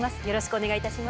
お願いします。